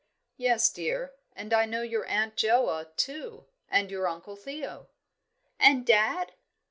"Yes, dear; and I know your Aunt Joa, too, and your Uncle Theo." "And dad?"